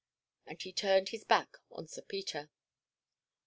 And he turned his back on Sir Peter.